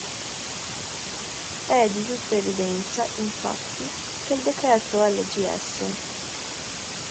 È di tutta evidenza, infatti, che il decreto lgs.